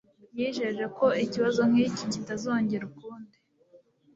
yijeje ko ikibazo nk'iki kitazongera ukundi.